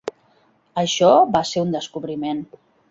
Això va ser un descobriment.